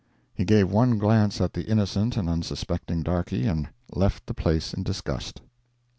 He gave one glance at the innocent and unsuspecting darkey, and left the place in disgust.